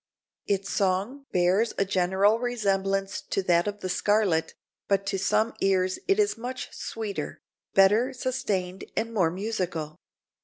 Its song bears a general resemblance to that of the scarlet, but to some ears is much sweeter, better sustained and more musical.